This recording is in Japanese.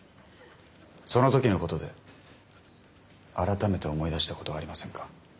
その時のことで改めて思い出したことはありませんか？